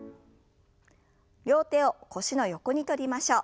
両手を腰の横に取りましょう。